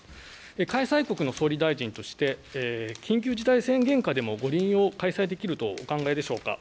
開催国の総理大臣として、緊急事態宣言下でも五輪を開催できるとお考えでしょうか。